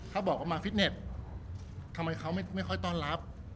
ถ้าบอกว่ามาฟิตเน็ตทำไมเขาไม่ค่อยต้อนรับ